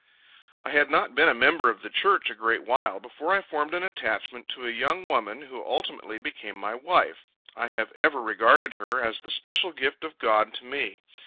I had not been a member of the church a great while, before I formed an attachment to a young woman, who ultimately became my wife. I have ever regarded her as the special gift of God to me.